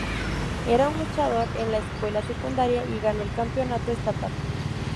Era un luchador en la escuela secundaria y ganó el campeonato estatal.